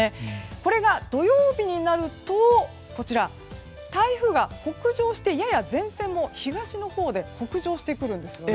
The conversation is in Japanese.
これが土曜日になると台風が北上して、やや前線も東のほうで北上してくるんですね。